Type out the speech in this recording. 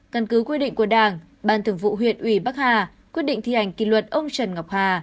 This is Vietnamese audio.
căn cứ quy định của đảng ban thường vụ huyện ủy bắc hà quyết định thi hành kỷ luật ông trần ngọc hà